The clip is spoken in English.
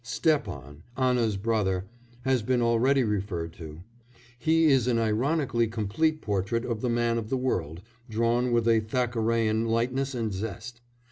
Stepan, Anna's brother, has been already referred to; he is an ironically complete portrait of the man of the world, drawn with a Thackerayan lightness and zest.